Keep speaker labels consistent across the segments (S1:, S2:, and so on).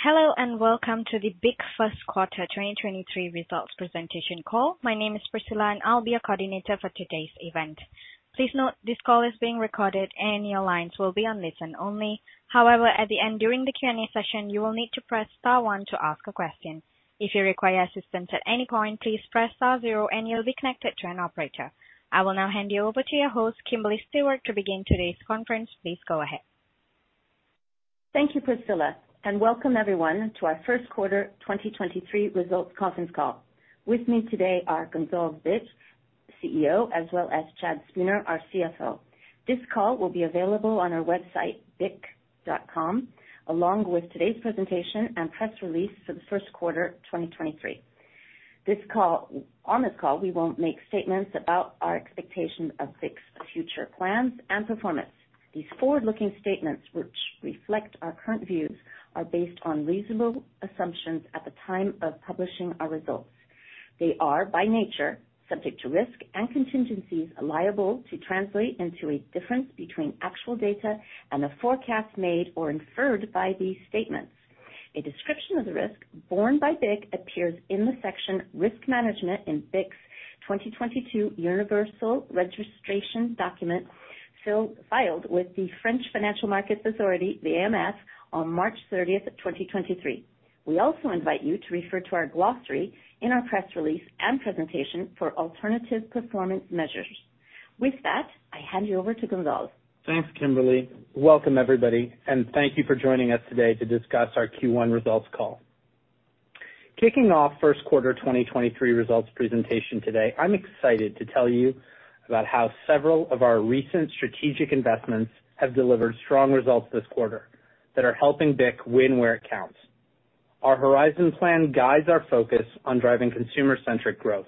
S1: Hello, and welcome to the BIC First Quarter 2023 Results Presentation Call. My name is Priscilla, and I'll be your coordinator for today's event. Please note, this call is being recorded, and your lines will be on listen only. However, at the end, during the Q&A session, you will need to press star one to ask a question. If you require assistance at any point, please press star zero, and you'll be connected to an operator. I will now hand you over to your host, Kimberly Stewart, to begin today's conference. Please go ahead.
S2: Thank you, Priscilla, welcome everyone to our First Quarter 2023 Results Conference Call. With me today are Gonzalve Bich, CEO, as well as Chad Spooner, our CFO. This call will be available on our website, bic.com, along with today's presentation and press release for the first quarter 2023. On this call, we won't make statements about our expectations of BIC's future plans and performance. These forward-looking statements, which reflect our current views, are based on reasonable assumptions at the time of publishing our results. They are, by nature, subject to risk and contingencies liable to translate into a difference between actual data and the forecast made or inferred by these statements. A description of the risk borne by BIC appears in the section Risk Management in BIC's 2022 Universal Registration Document filed with the French Financial Markets Authority, the AMF, on March 30th, 2023. We also invite you to refer to our glossary in our press release and presentation for alternative performance measures. With that, I hand you over to Gonzalve.
S3: Thanks, Kimberly. Welcome everybody, and thank you for joining us today to discuss our Q1 results call. Kicking off first quarter 2023 results presentation today, I'm excited to tell you about how several of our recent strategic investments have delivered strong results this quarter that are helping BIC win where it counts. Our Horizon Plan guides our focus on driving consumer-centric growth.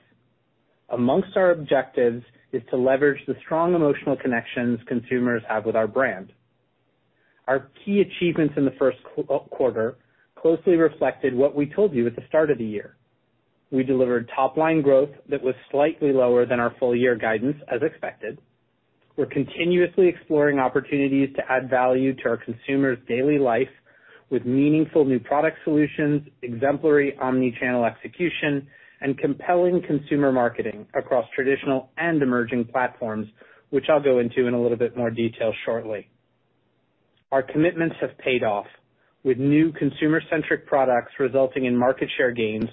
S3: Amongst our objectives is to leverage the strong emotional connections consumers have with our brand. Our key achievements in the first quarter closely reflected what we told you at the start of the year. We delivered top-line growth that was slightly lower than our full year guidance, as expected. We're continuously exploring opportunities to add value to our consumers' daily life with meaningful new product solutions, exemplary omni-channel execution, and compelling consumer marketing across traditional and emerging platforms, which I'll go into in a little bit more detail shortly. Our commitments have paid off with new consumer-centric products resulting in market share gains,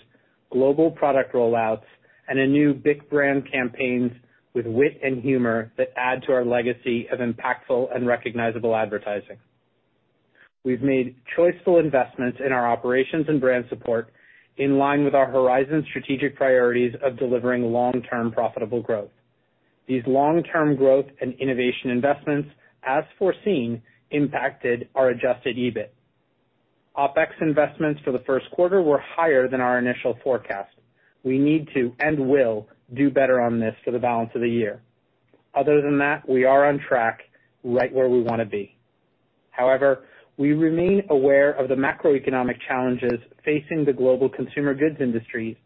S3: global product rollouts, and a new BIC brand campaigns with wit and humor that add to our legacy of impactful and recognizable advertising. We've made choiceful investments in our operations and brand support in line with our Horizon strategic priorities of delivering long-term profitable growth. These long-term growth and innovation investments, as foreseen, impacted our adjusted EBIT. OPEX investments for the first quarter were higher than our initial forecast. We need to, and will, do better on this for the balance of the year. Other than that, we are on track right where we wanna be. We remain aware of the macroeconomic challenges facing the global consumer goods industry,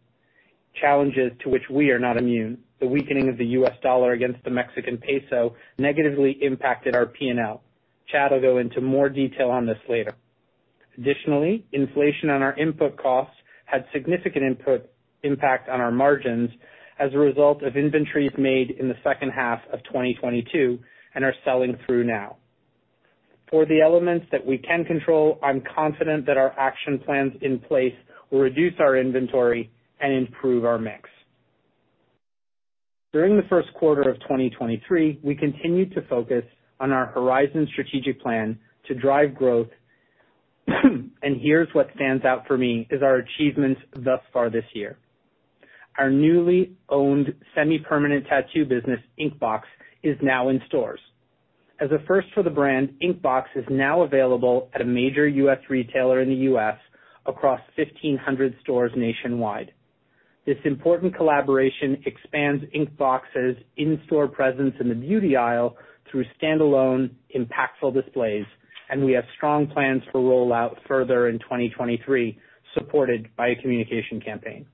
S3: challenges to which we are not immune. The weakening of the U.S. dollar against the Mexican peso negatively impacted our P&L. Chad will go into more detail on this later. Inflation on our input costs had significant impact on our margins as a result of inventories made in the second half of 2022 and are selling through now. For the elements that we can control, I'm confident that our action plans in place will reduce our inventory and improve our mix. During the first quarter of 2023, we continued to focus on our Horizon strategic plan to drive growth, here's what stands out for me is our achievements thus far this year. Our newly owned semi-permanent tattoo business, Inkbox, is now in stores. As a first for the brand, Inkbox is now available at a major U.S. retailer in the U.S. across 1,500 stores nationwide. This important collaboration expands Inkbox's in-store presence in the beauty aisle through standalone, impactful displays. We have strong plans to roll out further in 2023, supported by a communication campaign.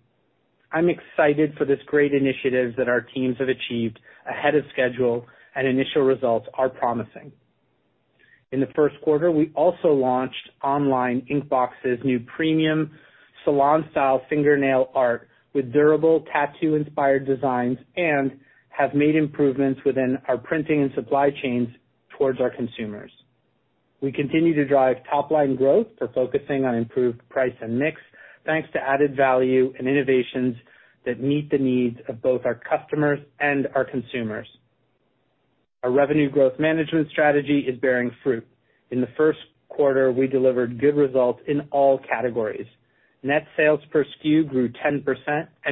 S3: I'm excited for this great initiative that our teams have achieved ahead of schedule. Initial results are promising. In the first quarter, we also launched online Inkbox's new premium salon-style fingernail art with durable tattoo-inspired designs. We have made improvements within our printing and supply chains towards our consumers. We continue to drive top-line growth for focusing on improved price and mix, thanks to added value and innovations that meet the needs of both our customers and our consumers. Our Revenue Growth Management strategy is bearing fruit. In the first quarter, we delivered good results in all categories. Net sales per SKU grew 10%,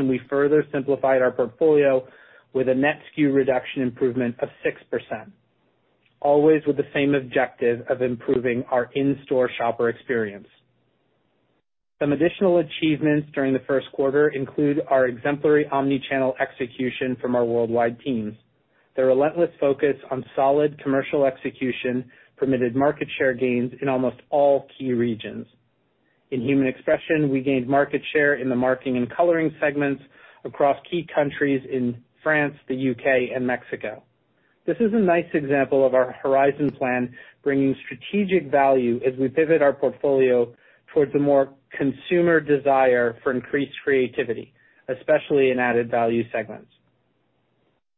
S3: we further simplified our portfolio with a net SKU reduction improvement of 6%, always with the same objective of improving our in-store shopper experience. Some additional achievements during the first quarter include our exemplary omni-channel execution from our worldwide teams. Their relentless focus on solid commercial execution permitted market share gains in almost all key regions. In Human Expression, we gained market share in the marking and coloring segments across key countries in France, the U.K. and Mexico. This is a nice example of our Horizon Plan bringing strategic value as we pivot our portfolio towards a more consumer desire for increased creativity, especially in added value segments.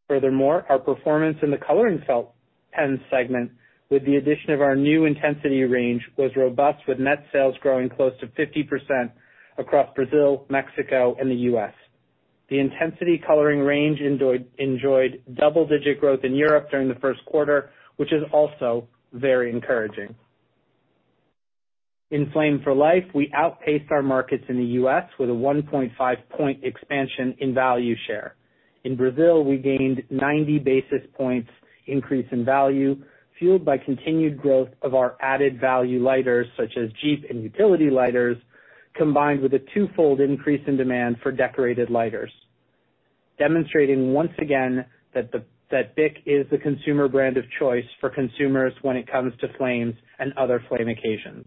S3: Furthermore, our performance in the coloring felt pens segment with the addition of our new Intensity range, was robust, with net sales growing close to 50% across Brazil, Mexico, and the U.S. The Intensity coloring range enjoyed double-digit growth in Europe during the first quarter, which is also very encouraging. In Flame for Life, we outpaced our markets in the U.S. with a 1.5 point expansion in value share. In Brazil, we gained 90 basis points increase in value, fueled by continued growth of our added value lighters such as Djeep and utility lighters, combined with a 2-fold increase in demand for decorated lighters. Demonstrating once again that BIC is the consumer brand of choice for consumers when it comes to flames and other flame occasions.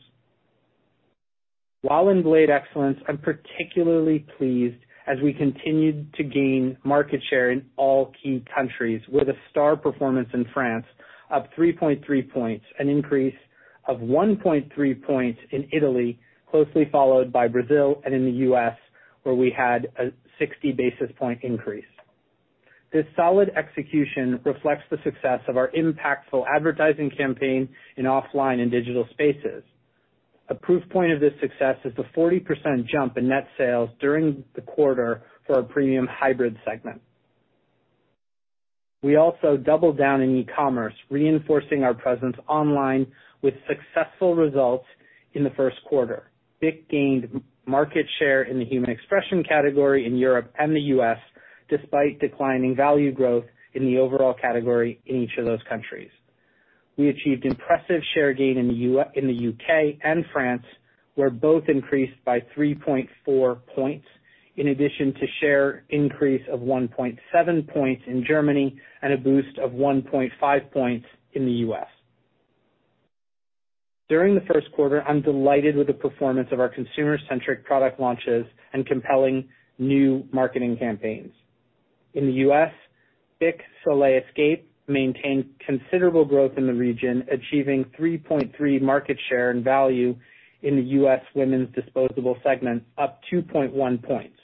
S3: While in Blade Excellence, I'm particularly pleased as we continued to gain market share in all key countries with a star performance in France, up 3.3 points, an increase of 1.3 points in Italy, closely followed by Brazil and in the US, where we had a 60 basis point increase. This solid execution reflects the success of our impactful advertising campaign in offline and digital spaces. A proof point of this success is the 40% jump in net sales during the quarter for our premium Hybrid segment. We also doubled down in e-commerce, reinforcing our presence online with successful results in the first quarter. BIC gained market share in the Human Expression category in Europe and the US despite declining value growth in the overall category in each of those countries. We achieved impressive share gain in the U.K. and France, where both increased by 3.4 points, in addition to share increase of 1.7 points in Germany and a boost of 1.5 points in the U.S. During the first quarter, I'm delighted with the performance of our consumer-centric product launches and compelling new marketing campaigns. In the U.S., BIC Soleil Escape maintained considerable growth in the region, achieving 3.3 market share and value in the U.S. women's disposable segment up 2.1 points.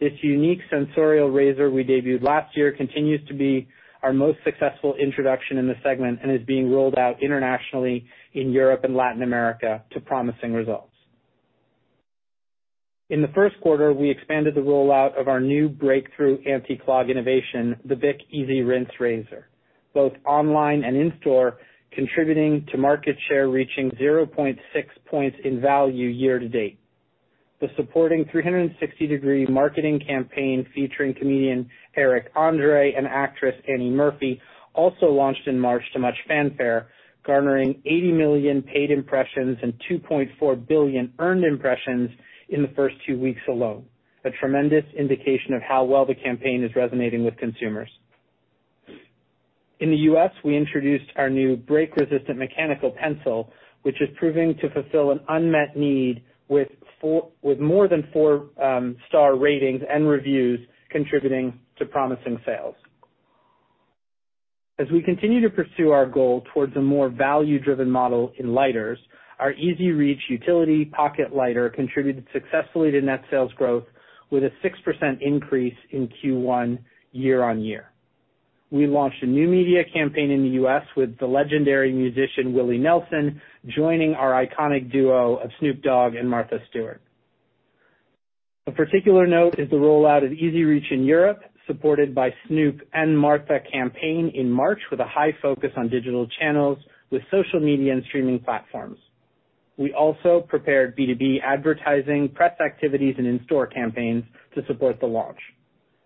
S3: This unique sensorial razor we debuted last year continues to be our most successful introduction in the segment and is being rolled out internationally in Europe and Latin America to promising results. In the first quarter, we expanded the rollout of our new breakthrough anti-clog innovation, the BIC EasyRinse Razor, both online and in-store, contributing to market share reaching 0.6 points in value year to date. The supporting 360-degree marketing campaign featuring comedian Eric Andre and actress Annie Murphy also launched in March to much fanfare, garnering 80 million paid impressions and 2.4 billion earned impressions in the first two weeks alone, a tremendous indication of how well the campaign is resonating with consumers. In the U.S., we introduced our new break-resistant mechanical pencil, which is proving to fulfill an unmet need with more than 4-star ratings and reviews contributing to promising sales. As we continue to pursue our goal towards a more value-driven model in lighters, our EZ Reach utility pocket lighter contributed successfully to net sales growth with a 6% increase in Q1 year-over-year. We launched a new media campaign in the U.S. with the legendary musician Willie Nelson, joining our iconic duo of Snoop Dogg and Martha Stewart. A particular note is the rollout of EZ Reach in Europe, supported by Snoop and Martha campaign in March with a high focus on digital channels with social media and streaming platforms. We also prepared B2B advertising, press activities, and in-store campaigns to support the launch.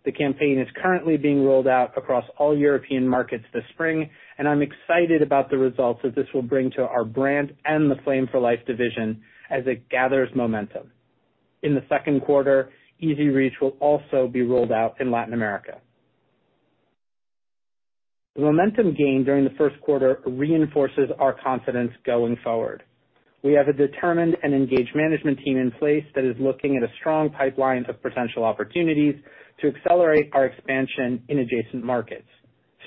S3: The campaign is currently being rolled out across all European markets this spring. I'm excited about the results that this will bring to our brand and the Flame for Life division as it gathers momentum. In the second quarter, EZ Reach will also be rolled out in Latin America. The momentum gained during the first quarter reinforces our confidence going forward. We have a determined and engaged management team in place that is looking at a strong pipeline of potential opportunities to accelerate our expansion in adjacent markets,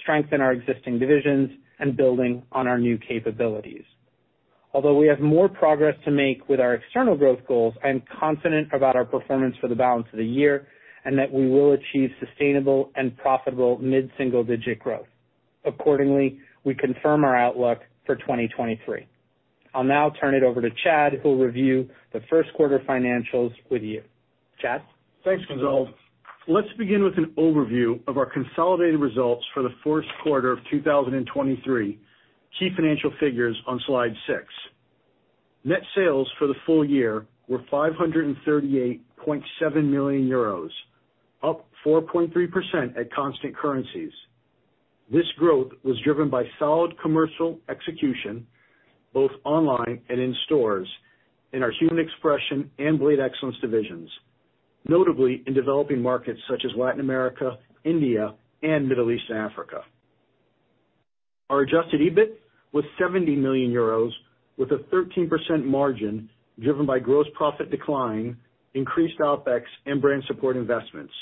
S3: strengthen our existing divisions, and building on our new capabilities. Although we have more progress to make with our external growth goals, I'm confident about our performance for the balance of the year, and that we will achieve sustainable and profitable mid-single-digit growth. Accordingly, we confirm our outlook for 2023. I'll now turn it over to Chad, who'll review the first quarter financials with you. Chad?
S4: Thanks, Gonzalve. Let's begin with an overview of our consolidated results for the first quarter of 2023. Key financial figures on slide six. Net sales for the full year were 538.7 million euros, up 4.3% at constant currencies. This growth was driven by solid commercial execution, both online and in stores, in our Human Expression and Blade Excellence divisions, notably in developing markets such as Latin America, India, and Middle East Africa. Our adjusted EBIT was 70 million euros with a 13% margin driven by gross profit decline, increased OpEx and brand support investments.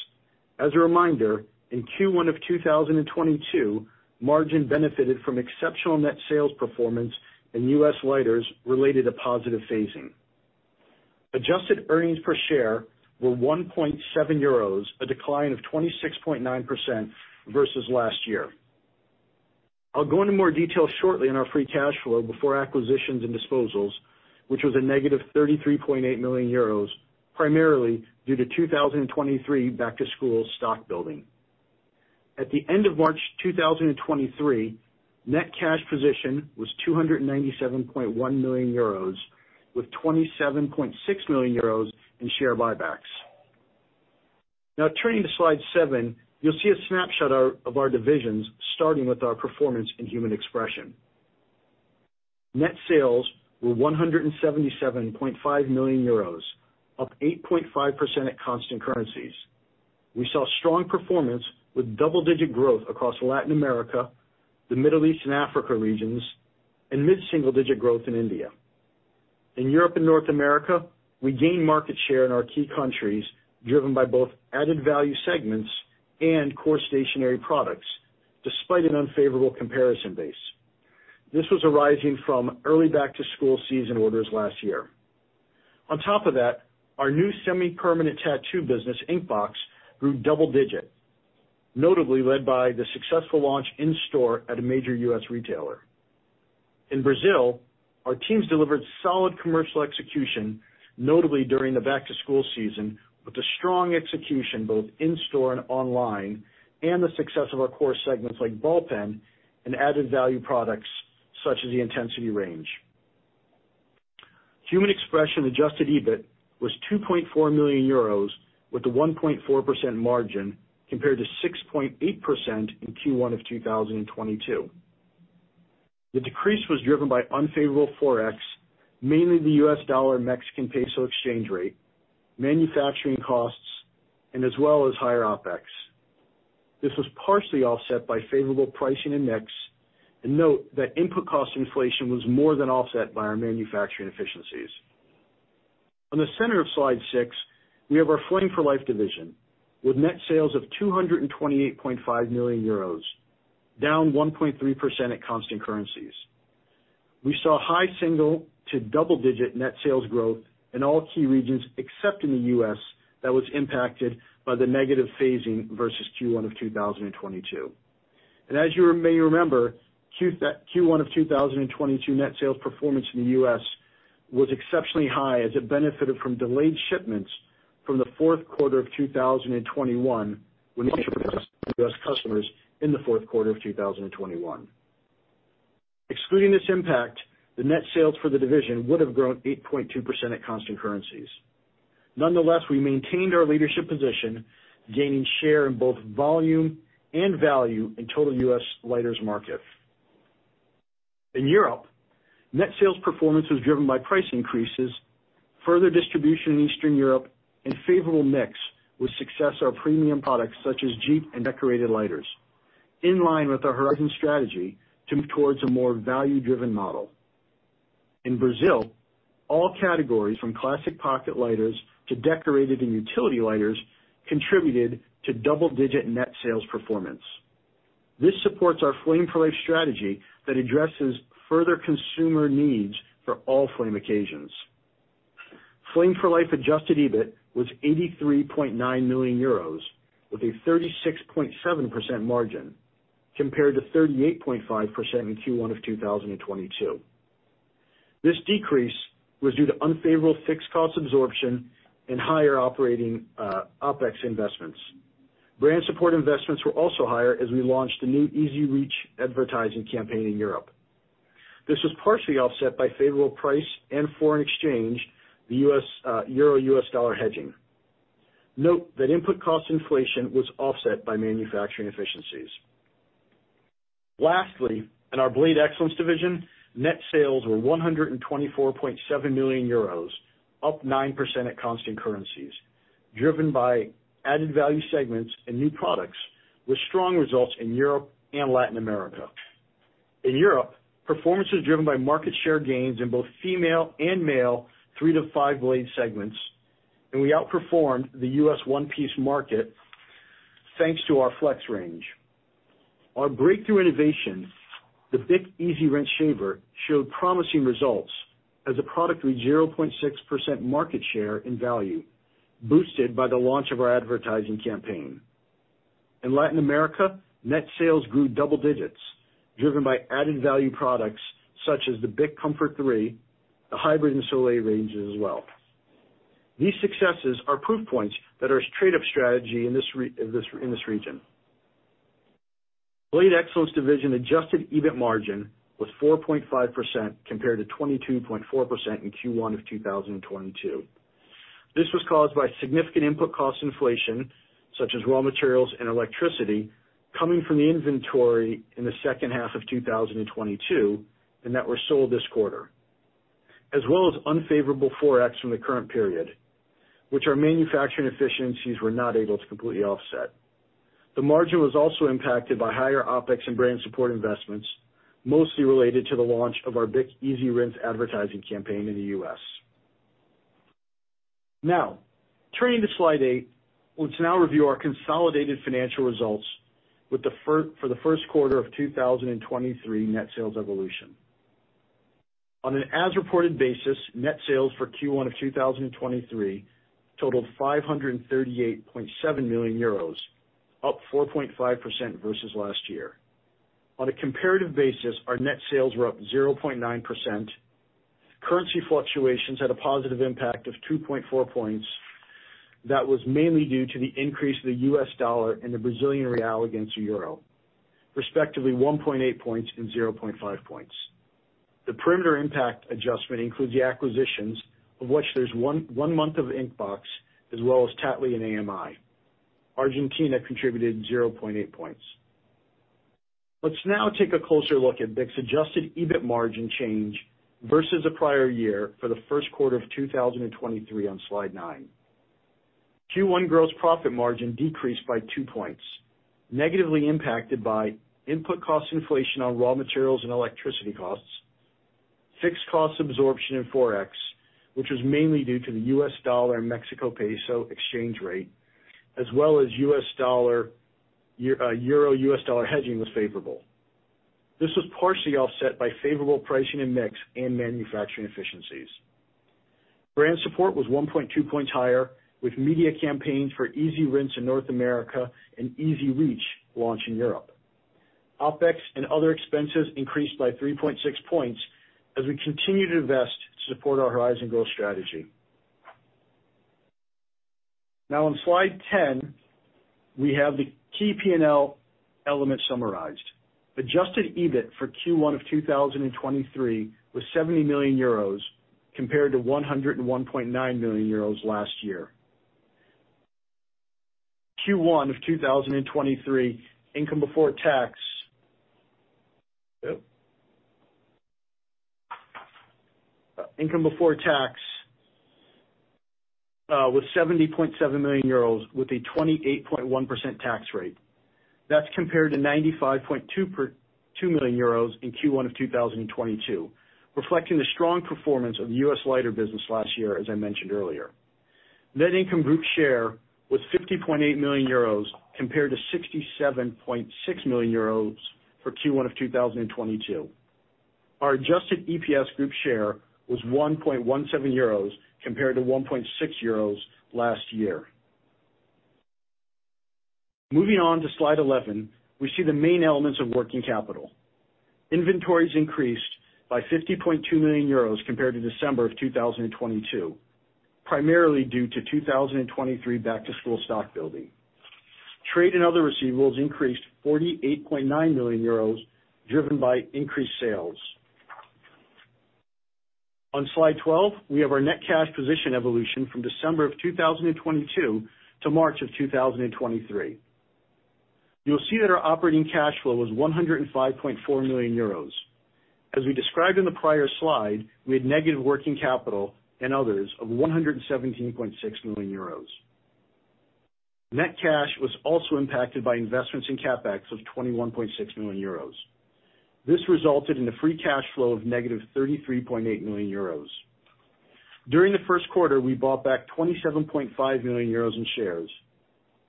S4: As a reminder, in Q1 of 2022, margin benefited from exceptional net sales performance in U.S. lighters related to positive phasing. Adjusted earnings per share were 1.7 euros, a decline of 26.9% versus last year. I'll go into more detail shortly on our free cash flow before acquisitions and disposals, which was a -33.8 million euros, primarily due to 2023 back-to-school stock building. At the end of March 2023, net cash position was 297.1 million euros, with 27.6 million euros in share buybacks. Turning to slide seven, you'll see a snapshot of our divisions, starting with our performance in Human Expression. Net sales were 177.5 million euros, up 8.5 at constant currencies. We saw strong performance with double-digit growth across Latin America, the Middle East and Africa regions, and mid-single digit growth in India. In Europe and North America, we gained market share in our key countries, driven by both added value segments and core stationery products, despite an unfavorable comparison base. This was arising from early back-to-school season orders last year. On top of that, our new semi-permanent tattoo business, Inkbox, grew double digit, notably led by the successful launch in store at a major U.S. retailer. In Brazil, our teams delivered solid commercial execution, notably during the back-to-school season, with a strong execution both in store and online, and the success of our core segments like ball pen and added value products such as the Intensity range. Human Expression adjusted EBIT was 2.4 million euros with a 1.4% margin compared to 6.8% in Q1 of 2022. The decrease was driven by unfavorable Forex, mainly the U.S. dollar and Mexican peso exchange rate, manufacturing costs, and as well as higher OPEX. Note that input cost inflation was more than offset by our manufacturing efficiencies. On the center of slide six, we have our Flame for Life division, with net sales of 228.5 million euros, down 1.3% at constant currencies. We saw high single- to double-digit net sales growth in all key regions except in the U.S. that was impacted by the negative phasing versus Q1 of 2022. As you may remember, Q1 of 2022 net sales performance in the U.S. was exceptionally high as it benefited from delayed shipments from the fourth quarter of 2021 when U.S. customers in the fourth quarter of 2021. Excluding this impact, the net sales for the division would have grown 8.2% at constant currencies. Nonetheless, we maintained our leadership position, gaining share in both volume and value in total U.S. lighters market. In Europe, net sales performance was driven by price increases, further distribution in Eastern Europe and favorable mix with success of our premium products such as Djeep and decorated lighters, in line with our Horizon strategy to move towards a more value-driven model. In Brazil, all categories from classic pocket lighters to decorated and utility lighters contributed to double-digit net sales performance. This supports our Flame for Life strategy that addresses further consumer needs for all flame occasions. Flame for Life adjusted EBIT was 83.9 million euros, with a 36.7% margin compared to 38.5% in Q1 of 2022. This decrease was due to unfavorable fixed cost absorption and higher operating OpEx investments. Brand support investments were also higher as we launched a new EZ Reach advertising campaign in Europe. This was partially offset by favorable price and foreign exchange, the U.S. Euro-U.S. dollar hedging. Note that input cost inflation was offset by manufacturing efficiencies. Lastly, in our Blade Excellence division, net sales were 124.7 million euros, up 9% at constant currencies, driven by added value segments and new products with strong results in Europe and Latin America. In Europe, performance was driven by market share gains in both female and male three-to-five blade segments, and we outperformed the U.S. one-piece market thanks to our Flex range. Our breakthrough innovation, the BIC EasyRinse shaver, showed promising results as the product reached 0.6% market share in value, boosted by the launch of our advertising campaign. In Latin America, net sales grew double digits, driven by added value products such as the BIC Comfort 3, the Hybrid and Soleil ranges as well. These successes are proof points that our trade-up strategy in this region. Blade Excellence division adjusted EBIT margin was 4.5% compared to 22.4% in Q1 of 2022. This was caused by significant input cost inflation, such as raw materials and electricity, coming from the inventory in the second half of 2022, and that were sold this quarter. As well as unfavorable Forex from the current period, which our manufacturing efficiencies were not able to completely offset. The margin was also impacted by higher OpEx and brand support investments, mostly related to the launch of our BIC EasyRinse advertising campaign in the U.S. Turning to slide eight, let's now review our consolidated financial results for the first quarter of 2023 net sales evolution. On an as-reported basis, net sales for Q1 of 2023 totaled 538.7 million euros, up 4.5% versus last year. On a comparative basis, our net sales were up 0.9%. Currency fluctuations had a positive impact of 2.4 points. That was mainly due to the increase of the U.S. dollar and the Brazilian real against the euro, respectively 1.8 points and 0.5 points. The perimeter impact adjustment includes the acquisitions of which there's one, one month of Inkbox as well as Tattly and AMI. Argentina contributed 0.8 points. Let's now take a closer look at BIC's adjusted EBIT margin change versus the prior year for the first quarter of 2023 on slide nine. Q1 gross profit margin decreased by 2 points, negatively impacted by input cost inflation on raw materials and electricity costs, fixed cost absorption in Forex, which was mainly due to the U.S. dollar and Mexican peso exchange rate, as well as U.S dollar Euro-U.S. dollar hedging was favorable. This was partially offset by favorable pricing and mix in manufacturing efficiencies. Brand support was 1.2 points higher, with media campaigns for EasyRinse in North America and EZ Reach launch in Europe. OPEX and other expenses increased by 3.6 points as we continue to invest to support our Horizon growth strategy. On slide 10, we have the key P&L elements summarized. adjusted EBIT for Q1 of 2023 was 70 million euros compared to 101.9 million euros last year. Q1 of 2023, income before tax was 70.7 million euros with a 28.1% tax rate. That's compared to 95.2 million euros in Q1 2022, reflecting the strong performance of the U.S. lighter business last year, as I mentioned earlier. Net income group share was 50.8 million euros, compared to 67.6 million euros for Q1 2022. Our adjusted EPS group share was 1.17 euros compared to 1.6 euros last year. Moving on to slide 11, we see the main elements of working capital. Inventories increased by 50.2 million euros compared to December 2022, primarily due to 2023 back-to-school stock building. Trade and other receivables increased 48.9 million euros, driven by increased sales. On slide 12, we have our net cash position evolution from December 2022 to March 2023. You'll see that our operating cash flow was 105.4 million euros. As we described in the prior slide, we had negative working capital and others of 117.6 million euros. Net cash was also impacted by investments in CapEx of 21.6 million euros. This resulted in a free cash flow of -33.8 million euros. During the first quarter, we bought back 27.5 million euros in shares.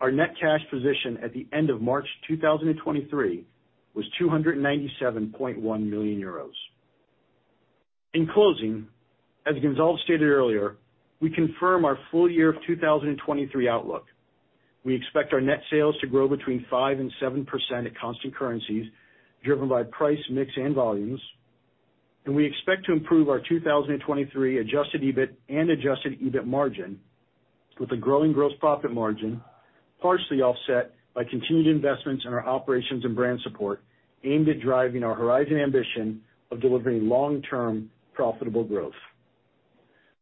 S4: Our net cash position at the end of March 2023 was 297.1 million euros. In closing, as Gonzalve stated earlier, we confirm our full year 2023 outlook. We expect our net sales to grow between 5% and 7% at constant currencies, driven by price, mix, and volumes. We expect to improve our 2023 adjusted EBIT and adjusted EBIT margin with a growing gross profit margin, partially offset by continued investments in our operations and brand support aimed at driving our Horizon ambition of delivering long-term profitable growth.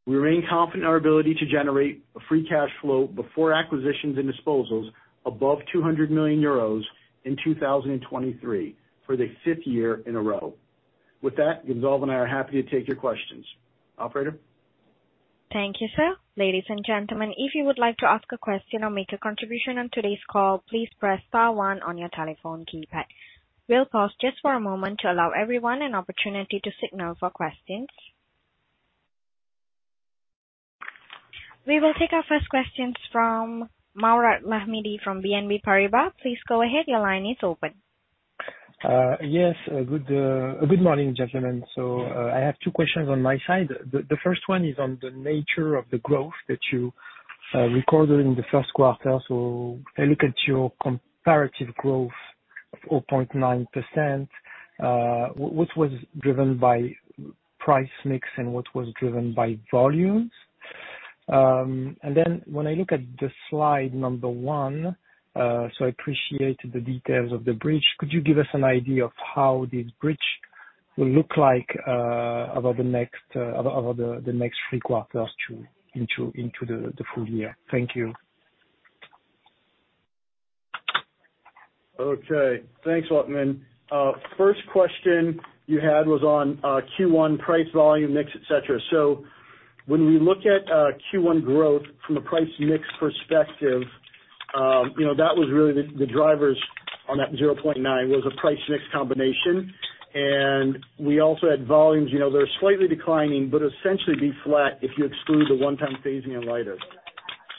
S4: We remain confident in our ability to generate a free cash flow before acquisitions and disposals above 200 million euros in 2023 for the fifth year in a row. With that, Gonzalve and I are happy to take your questions. Operator?
S1: Thank you, sir. Ladies and gentlemen, if you would like to ask a question or make a contribution on today's call, please press star one on your telephone keypad. We'll pause just for a moment to allow everyone an opportunity to signal for questions. We will take our first questions from Mourad Lahmidi from BNP Paribas. Please go ahead. Your line is open.
S5: Yes, good morning, gentlemen. I have two questions on my side. The first one is on the nature of the growth that you recorded in the first quarter. I look at your comparative growth of 4.9%. What was driven by price mix and what was driven by volumes? When I look at the slide number one, I appreciate the details of the bridge. Could you give us an idea of how this bridge will look like over the next three quarters into the full year? Thank you.
S4: Okay. Thanks, Mourad. First question you had was on Q1 price volume mix, et cetera. When we look at Q1 growth from a price mix perspective, you know, that was really the drivers on that 0.9% was a price mix combination. We also had volumes, you know, that are slightly declining, but essentially be flat if you exclude the 1-time phasing in lighter.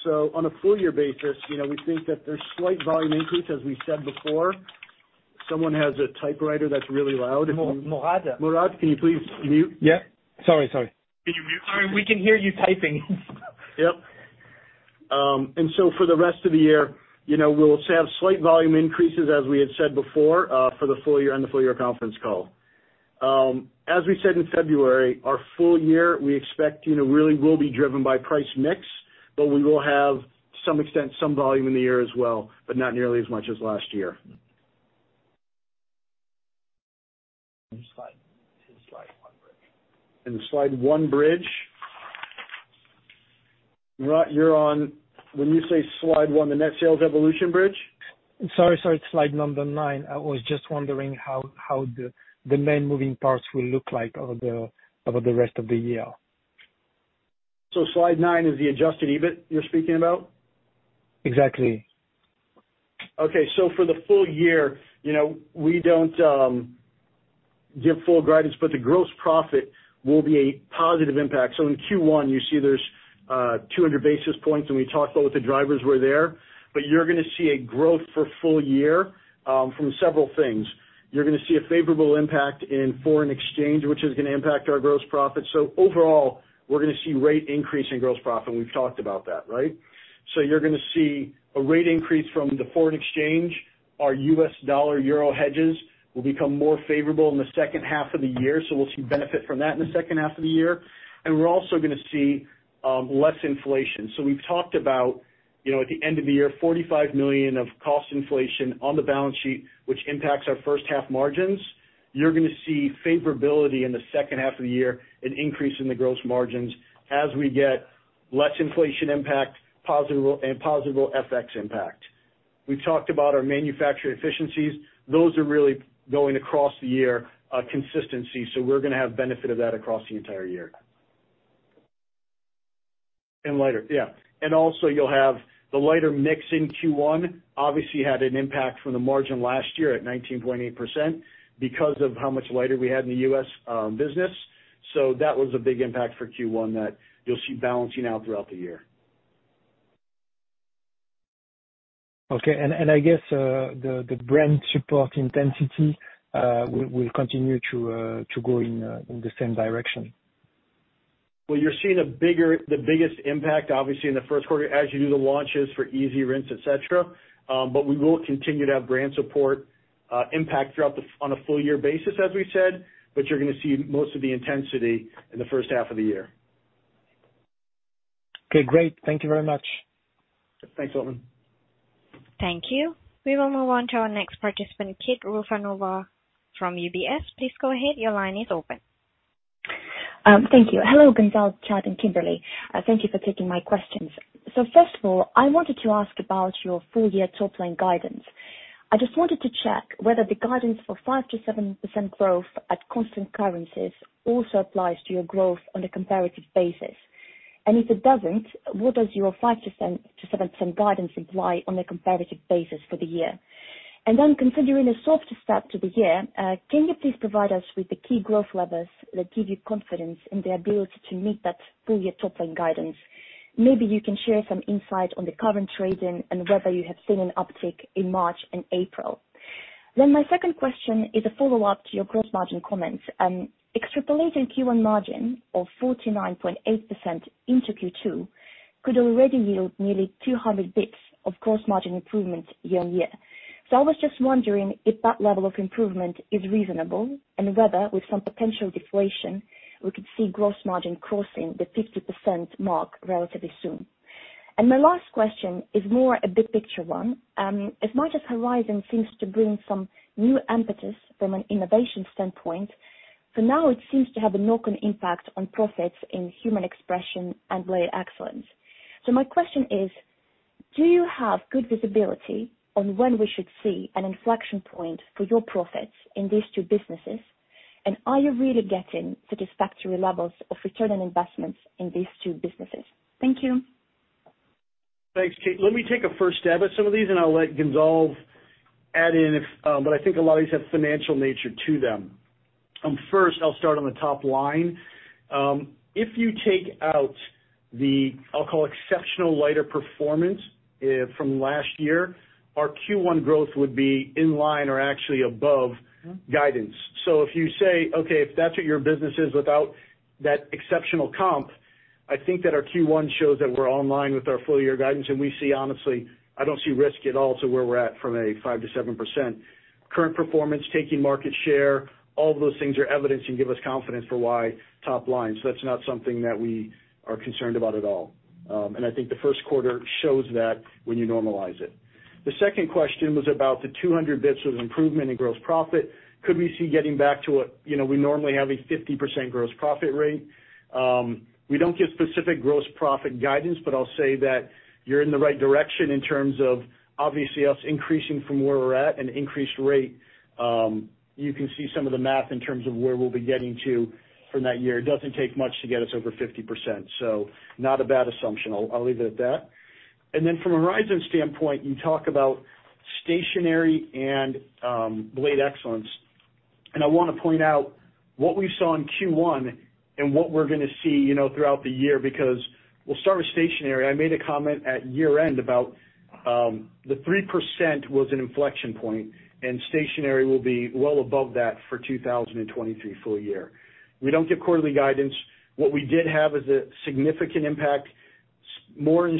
S4: On a full year basis, you know, we think that there's slight volume increase, as we said before. Someone has a typewriter that's really loud. Morad. Mourad, can you please mute?
S5: Yeah. Sorry, sorry.
S4: Can you mute?
S6: We can hear you typing.
S4: Yep. For the rest of the year, you know, we'll have slight volume increases, as we had said before, for the full year on the full year conference call. As we said in February, our full year, we expect, you know, really will be driven by price mix, but we will have some extent some volume in the year as well, but not nearly as much as last year.
S5: Next slide. To slide one bridge.
S4: In slide 1 bridge. Mourad, you're on. When you say slide one, the net sales evolution bridge?
S5: Sorry, it's slide nine. I was just wondering how the main moving parts will look like over the rest of the year.
S4: Slide nine is the adjusted EBIT you're speaking about?
S5: Exactly.
S4: Okay. For the full year, you know, we don't give full guidance, but the gross profit will be a positive impact. In Q1, you see there's 200 basis points, and we talked about what the drivers were there. You're gonna see a growth for full year from several things. You're gonna see a favorable impact in Foreign exchange, which is gonna impact our gross profit. Overall, we're gonna see rate increase in gross profit, and we've talked about that, right? You're gonna see a rate increase from the Foreign exchange. Our U.S. dollar-Euro hedges will become more favorable in the second half of the year, so we'll see benefit from that in the second half of the year. We're also gonna see less inflation. We've talked about, you know, at the end of the year, 45 million of cost inflation on the balance sheet, which impacts our first half margins. You're gonna see favorability in the second half of the year, an increase in the gross margins as we get less inflation impact, and positive FX impact. We've talked about our manufacturing efficiencies. Those are really going across the year, consistency, so we're gonna have benefit of that across the entire year. Lighter, yeah. Also you'll have the lighter mix in Q1 obviously had an impact from the margin last year at 19.8% because of how much lighter we had in the U.S. business. That was a big impact for Q1 that you'll see balancing out throughout the year.
S5: Okay. I guess, the brand support intensity will continue to go in the same direction.
S4: Well, you're seeing a bigger, the biggest impact obviously in the first quarter as you do the launches for EasyRinse, et cetera. We will continue to have brand support impact throughout on a full year basis, as we said, but you're gonna see most of the intensity in the first half of the year.
S5: Okay, great. Thank you very much.
S4: Thanks, Mourad.
S1: Thank you. We will move on to our next participant, Kate Rusanova from UBS. Please go ahead. Your line is open.
S6: Thank you. Hello, Gonzalve Bich, Chad Spooner, and Kimberly Stewart. Thank you for taking my questions. First of all, I wanted to ask about your full year top-line guidance. I just wanted to check whether the guidance for 5%-7% growth at constant currencies also applies to your growth on a comparative basis. If it doesn't, where does your 5% to 7% guidance apply on a comparative basis for the year? Considering a softer start to the year, can you please provide us with the key growth levers that give you confidence in the ability to meet that full year top-line guidance? Maybe you can share some insight on the current trading and whether you have seen an uptick in March and April. My second question is a follow-up to your gross margin comments. Extrapolating Q1 margin of 49.8% into Q2 could already yield nearly 200 basis points of gross margin improvement year-on-year. I was just wondering if that level of improvement is reasonable and whether, with some potential deflation, we could see gross margin crossing the 50% mark relatively soon. My last question is more a big picture one. As much as Horizon seems to bring some new impetus from an innovation standpoint, for now it seems to have a knock-on impact on profits in Human Expression and Blade Excellence. My question is: Do you have good visibility on when we should see an inflection point for your profits in these two businesses? Are you really getting satisfactory levels of return on investments in these two businesses? Thank you.
S4: Thanks, Kate. Let me take a first stab at some of these, and I'll let Gonzalve add in if. I think a lot of these have financial nature to them. First I'll start on the top line. If you take out the, I'll call exceptional lighter performance from last year, our Q1 growth would be in line or actually above guidance. If you say, okay, if that's what your business is without that exceptional comp, I think that our Q1 shows that we're online with our full year guidance. We see honestly, I don't see risk at all to where we're at from a 5%-7%. Current performance, taking market share, all of those things are evidence and give us confidence for why top line. That's not something that we are concerned about at all. I think the first quarter shows that when you normalize it. The second question was about the 200 basis points of improvement in gross profit. Could we see getting back to what, you know, we normally have a 50% gross profit rate? We don't give specific gross profit guidance, but I'll say that you're in the right direction in terms of obviously us increasing from where we're at an increased rate. You can see some of the math in terms of where we'll be getting to from that year. It doesn't take much to get us over 50%, so not a bad assumption. I'll leave it at that. From a Horizon standpoint, you talk about stationery and Blade Excellence. I wanna point out what we saw in Q1 and what we're gonna see, you know, throughout the year, because we'll start with stationery. I made a comment at year-end about the 3% was an inflection point, and stationery will be well above that for 2023 full year. We don't give quarterly guidance. What we did have is a significant impact, more in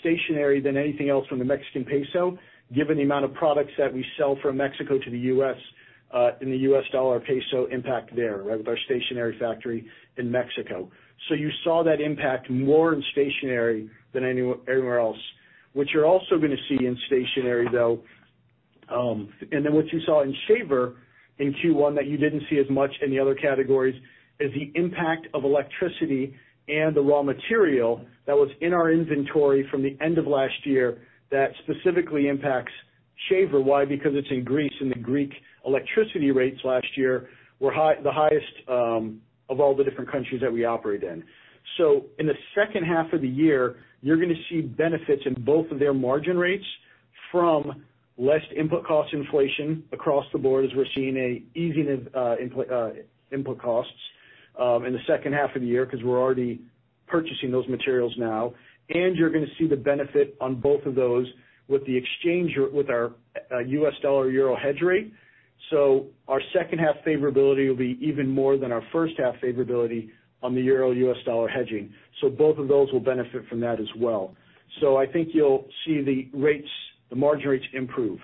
S4: stationery than anything else from the Mexican peso, given the amount of products that we sell from Mexico to the U.S., in the U.S. dollar peso impact there, right with our stationery factory in Mexico. You saw that impact more in stationery than anywhere else. What you're also gonna see in stationery, though, what you saw in shaver in Q1 that you didn't see as much in the other categories, is the impact of electricity and the raw material that was in our inventory from the end of last year that specifically impacts shaver. Why? Because it's in Greece, the Greek electricity rates last year were the highest of all the different countries that we operate in. In the second half of the year, you're gonna see benefits in both of their margin rates from less input cost inflation across the board, as we're seeing a easing of input costs in the second half of the year, because we're already purchasing those materials now. You're gonna see the benefit on both of those with the exchange with our U.S. dollar-Euro hedge rate. Our second half favorability will be even more than our first half favorability on the Euro U.S.-dollar hedging. Both of those will benefit from that as well. I think you'll see the rates, the margin rates improve.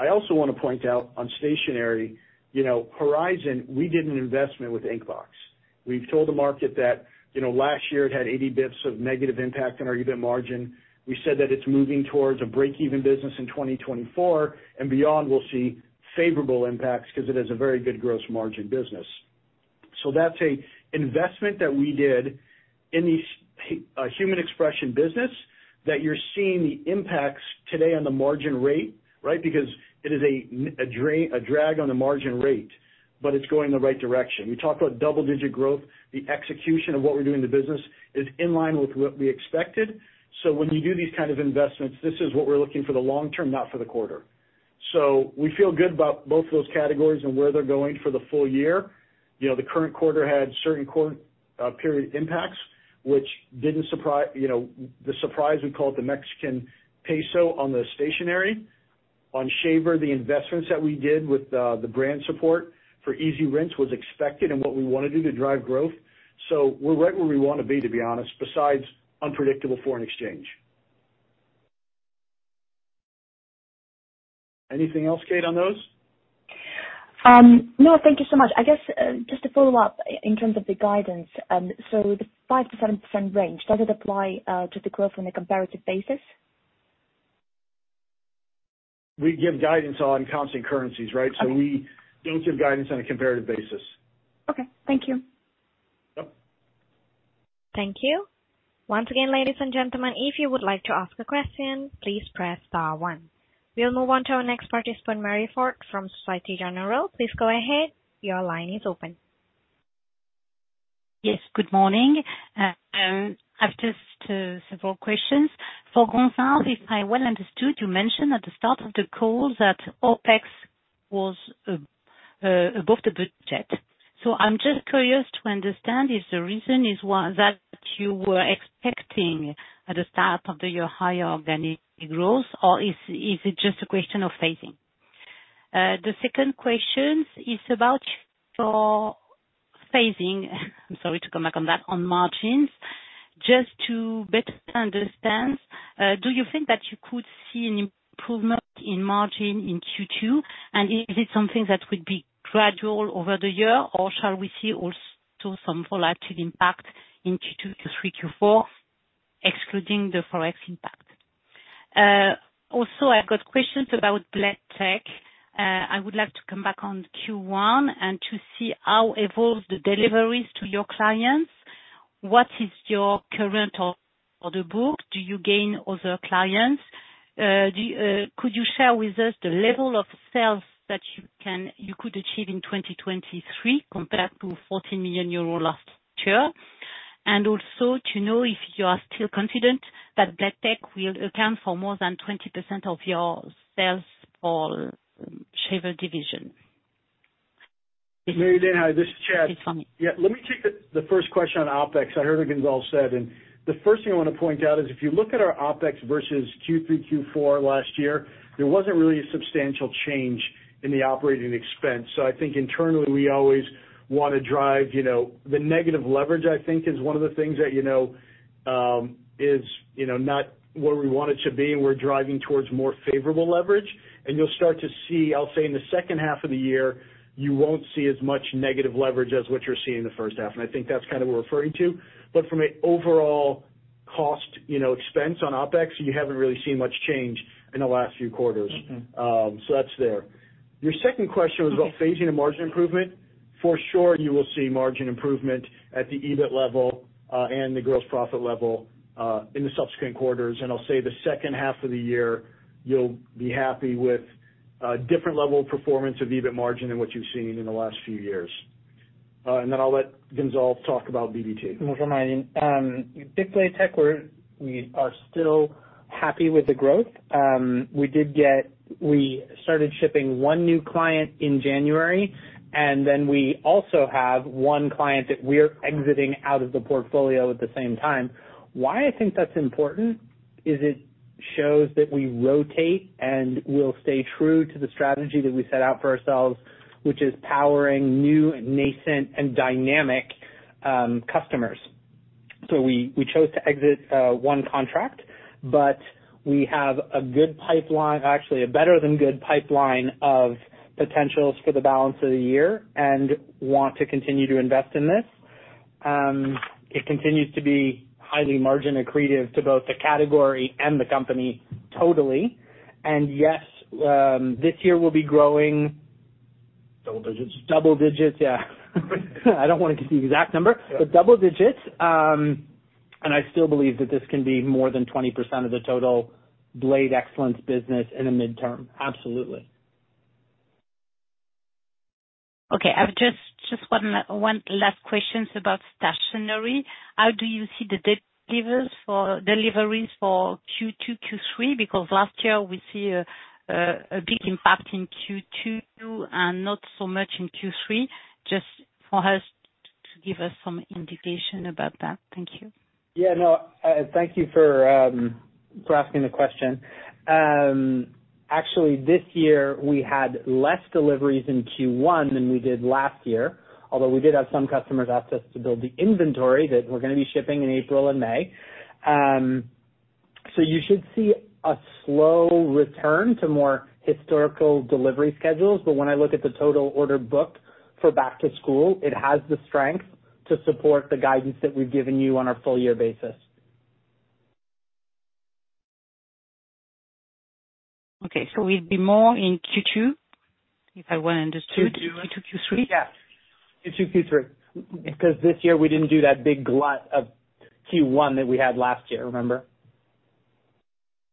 S4: I also wanna point out on stationery, you know, Horizon, we did an investment with Inkbox. We've told the market that, you know, last year it had 80 bits of negative impact on our EBIT margin. We said that it's moving towards a break-even business in 2024, and beyond we'll see favorable impacts 'cause it is a very good gross margin business. That's a investment that we did in the Human Expression business that you're seeing the impacts today on the margin rate, right? It is a drag on the margin rate, but it's going the right direction. We talked about double-digit growth. The execution of what we do in the business is in line with what we expected. When you do these kind of investments, this is what we're looking for the long term, not for the quarter. We feel good about both of those categories and where they're going for the full year. You know, the current quarter had certain period impacts, which didn't, you know, the surprise, we call it the Mexican peso on the stationery. On shaver, the investments that we did with the brand support for EasyRinse was expected and what we wanna do to drive growth. We're right where we wanna be, to be honest, besides unpredictable foreign exchange. Anything else, Kate, on those?
S6: No, thank you so much. I guess, just to follow up in terms of the guidance, so the 5%-7% range, does it apply to the growth on a comparative basis?
S4: We give guidance on constant currencies, right?
S6: Okay.
S4: We don't give guidance on a comparative basis.
S6: Okay. Thank you.
S4: Yep.
S1: Thank you. Once again, ladies and gentlemen, if you would like to ask a question, please press star one. We'll move on to our next participant, Marie Fort from Société Générale. Please go ahead. Your line is open.
S7: Yes, good morning. I've just several questions. For Gonzal, if I well understood, you mentioned at the start of the call that OPEX was above the budget. I'm just curious to understand if the reason is, well, that you were expecting at the start of the year higher organic growth, or is it just a question of phasing? The second question is about your phasing. I'm sorry to come back on that, on margins. Just to better understand, do you think that you could see an improvement in margin in Q2? Is it something that would be gradual over the year, or shall we see also some volatile impact in Q2, Q3, Q4, excluding the Forex impact? I've got questions about BIC Blade Tech. I would like to come back on Q1 and to see how evolved the deliveries to your clients. What is your current order book? Do you gain other clients? Do you, could you share with us the level of sales that you could achieve in 2023 compared to 40 million euro last year? Also to know if you are still confident that BIC Blade Tech will account for more than 20% of your sales for shaver division?
S4: Mary, this is Chad.
S7: It's for me.
S4: Yeah, let me take the first question on OpEx. I heard what Gonzalo said, the first thing I wanna point out is if you look at our OpEx versus Q3, Q4 last year, there wasn't really a substantial change in the operating expense. I think internally, we always wanna drive, you know, the negative leverage, I think, is one of the things that, you know, is, you know, not where we want it to be, we're driving towards more favorable leverage. You'll start to see, I'll say in the second half of the year, you won't see as much negative leverage as what you're seeing in the first half. I think that's kind of what we're referring to. From an overall. Cost, you know, expense on OPEX, you haven't really seen much change in the last few quarters.
S3: Mm-hmm.
S4: That's there. Your second question was about phasing and margin improvement. For sure, you will see margin improvement at the EBIT level, and the gross profit level, in the subsequent quarters. I'll say the second half of the year, you'll be happy with a different level of performance of EBIT margin than what you've seen in the last few years. Then I'll let Gonzalve talk about BDT.
S3: No problem. BIC Blade Tech, we are still happy with the growth. We started shipping one new client in January. We also have one client that we're exiting out of the portfolio at the same time. Why I think that's important is it shows that we rotate, and we'll stay true to the strategy that we set out for ourselves, which is powering new, nascent, and dynamic customers. We chose to exit one contract, but we have a good pipeline. Actually, a better than good pipeline of potentials for the balance of the year and want to continue to invest in this. It continues to be highly margin accretive to both the category and the company totally. Yes, this year we'll be growing-
S4: Double digits.
S3: Double digits, yeah. I don't wanna give the exact number.
S4: Yeah.
S3: Double digits. I still believe that this can be more than 20% of the total Blade Excellence business in the midterm. Absolutely.
S7: Okay. I've just one last questions about stationery. How do you see the deliveries for Q2, Q3? Last year we see a big impact in Q2 and not so much in Q3. Just to give us some indication about that. Thank you.
S3: Yeah, no. Thank you for asking the question. Actually, this year we had less deliveries in Q1 than we did last year, although we did have some customers ask us to build the inventory that we're gonna be shipping in April and May. You should see a slow return to more historical delivery schedules. When I look at the total order book for back to school, it has the strength to support the guidance that we've given you on a full year basis.
S7: Okay, we'd be more in Q2, if I understood.
S3: Q2, yes.
S7: Q2, Q3.
S3: Yeah. Q2, Q3. This year we didn't do that big glut of Q1 that we had last year, remember?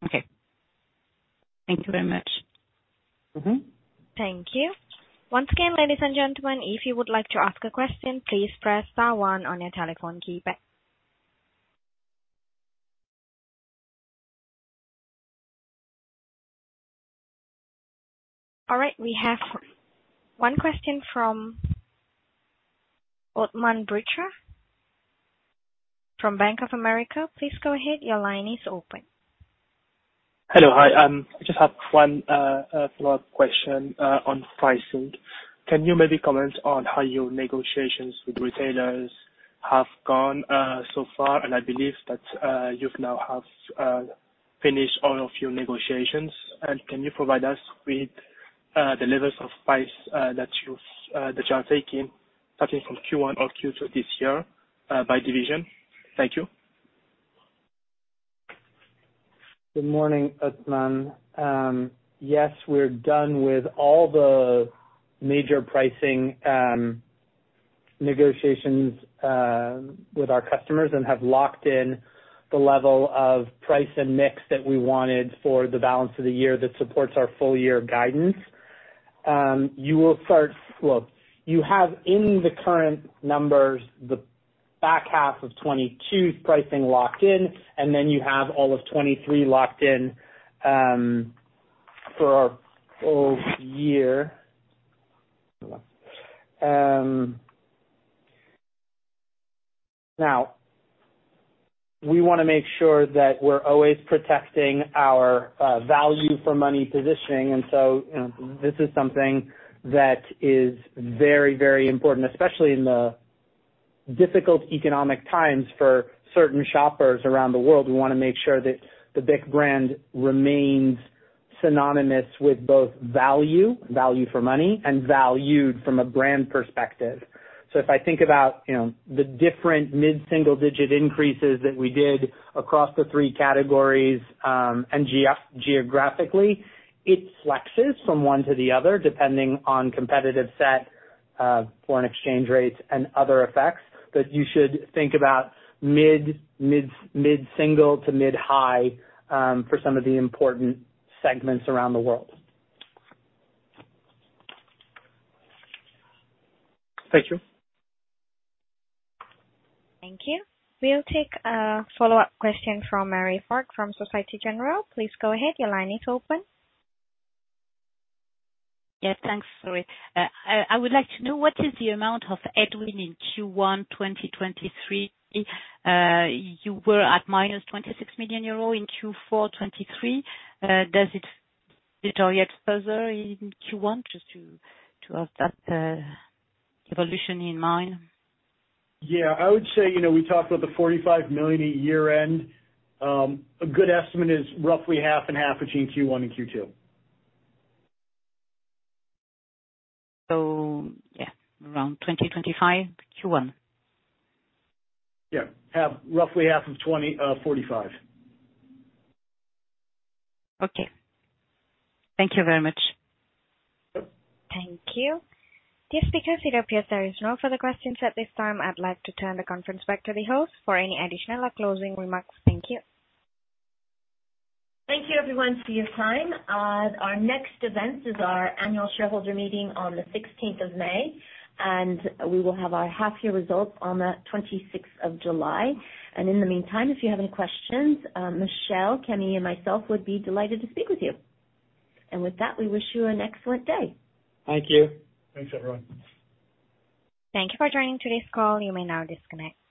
S7: Okay. Thank you very much.
S3: Mm-hmm.
S1: Thank you. Once again, ladies and gentlemen, if you would like to ask a question, please press star one on your telephone keypad. All right, we have one question from Othman Bricher from Bank of America. Please go ahead. Your line is open.
S8: Hello. Hi, I just have 1 follow-up question on pricing. Can you maybe comment on how your negotiations with retailers have gone so far? I believe that you've now have finished all of your negotiations. Can you provide us with the levels of price that you've that you are taking, starting from Q1 or Q2 this year by division? Thank you.
S3: Good morning, Othman. Yes, we're done with all the major pricing negotiations with our customers and have locked in the level of price and mix that we wanted for the balance of the year that supports our full year guidance. Well, you have in the current numbers the back half of 2022 pricing locked in, and then you have all of 2023 locked in for our full year. Now we wanna make sure that we're always protecting our value for money positioning. You know, this is something that is very, very important, especially in the difficult economic times for certain shoppers around the world. We wanna make sure that the BIC brand remains synonymous with both value for money, and valued from a brand perspective. If I think about, you know, the different mid-single digit increases that we did across the three categories, geographically, it flexes from one to the other depending on competitive set, foreign exchange rates and other effects. You should think about mid-single to mid-high for some of the important segments around the world.
S8: Thank you.
S1: Thank you. We'll take a follow-up question from Marie Fort from Société Générale. Please go ahead. Your line is open.
S7: Yeah, thanks. Sorry. I would like to know what is the amount of inventory in Q1 2023? You were at -26 million euro in Q4 2023. Does it deteriorate further in Q1? Just to have that evolution in mind.
S3: Yeah. I would say, you know, we talked about the 45 million at year-end. A good estimate is roughly half and half between Q1 and Q2.
S7: Yeah, around 2025 Q1.
S3: Yeah. Have roughly half of 20, 45.
S7: Okay. Thank you very much.
S1: Thank you. Just because it appears there is no further questions at this time, I'd like to turn the conference back to the host for any additional closing remarks. Thank you.
S2: Thank you everyone for your time. Our next event is our annual shareholder meeting on the 16th of May. We will have our half year results on the 26th of July. In the meantime, if you have any questions, Michelle, Kenny, and myself would be delighted to speak with you. With that, we wish you an excellent day.
S3: Thank you.
S4: Thanks, everyone.
S1: Thank you for joining today's call. You may now disconnect.